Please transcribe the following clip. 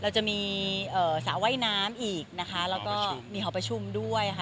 จะมีสระไหว้น้ำอีกและเหาะประชุมด้วย